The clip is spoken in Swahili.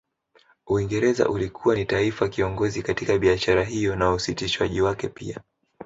Uingereza ilikuwa ni taifa kiongozi katika biashara hiyo na usitishwaji wake pia